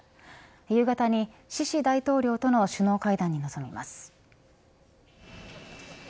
夕方に、シシ大統領との首脳会談に臨みます。